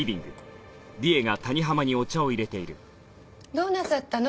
どうなさったの？